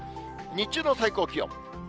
日中の最高気温。